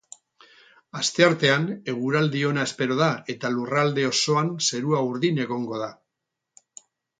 Asteartean eguraldi ona espero da eta lurralde osoan zerua urdin egongo da.